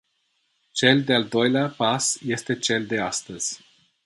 Cel de-al doilea pas este cel de astăzi.